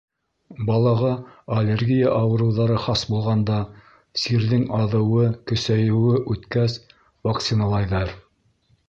Балаға аллергия ауырыуҙары хас булғанда, сирҙең аҙыуы, көсәйеүе үткәс вакциналайҙар.